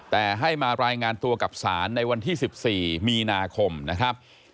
แต่ให้มารายงานตัวกับศาลในวันที่๑๔มีนาคมนะครับ